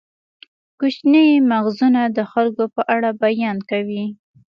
کوچني مغزونه د خلکو په اړه بیان کوي.